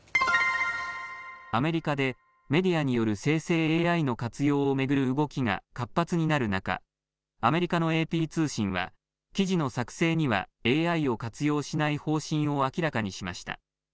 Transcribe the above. アメリカでメディアによる生成ＡＩの活用を巡る動きが活発になる中、アメリカのＡＰ通信は、記事の作成にはＡＩを活用しない方針を明らかにしました。